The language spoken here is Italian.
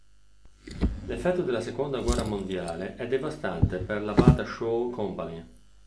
L'effetto della Seconda guerra mondiale è devastante per la Bata Shoe Company.